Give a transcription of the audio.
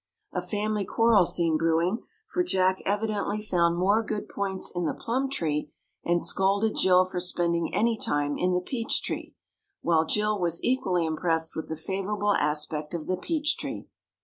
A family quarrel seemed brewing, for Jack evidently found more good points in the plum tree and scolded Jill for spending any time in the peach tree, while Jill was equally impressed with the favorable aspect of the peach tree.